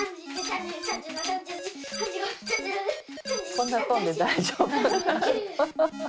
こんな跳んで大丈夫？